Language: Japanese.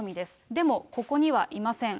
でも、ここにはいません。